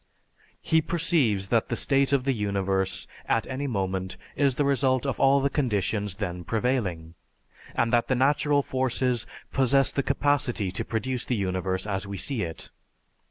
He perceives that the state of the universe at any moment is the result of all the conditions then prevailing, and that the natural forces possess the capacity to produce the universe as we see it.